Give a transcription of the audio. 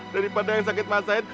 dari pada yang sakit mas said